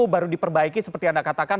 baru diperbaiki seperti anda katakan